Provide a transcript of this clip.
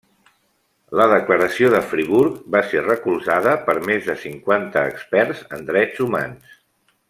La Declaració de Friburg va ser recolzada per més de cinquanta experts en drets humans.